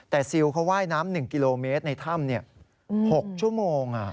แต่ซิลเขาว่ายน้ำ๑กิโลเมตรในถ้ำ๖ชั่วโมง